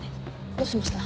どうしました？